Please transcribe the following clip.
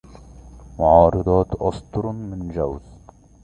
معارضات أسطراً من جَوزِ